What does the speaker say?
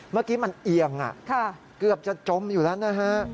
เมื่อกี้มันเอียงเกือบจะจมอยู่แล้วนะฮะ